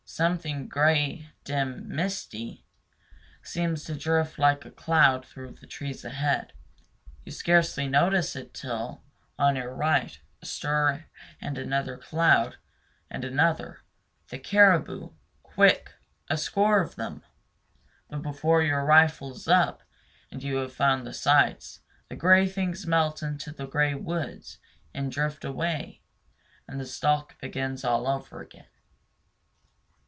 Something gray, dim, misty, seems to drift like a cloud through the trees ahead. You scarcely notice it till, on your right, a stir, and another cloud, and another The caribou, quick, a score of them! But before your rifle is up and you have found the sights, the gray things melt into the gray woods and drift away; and the stalk begins all over again.